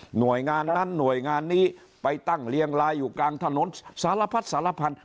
หน่วยงานนั้นหน่วยงานนี้ไปตั้งเรียงลายอยู่กลางถนนสารพัดสารพันธุ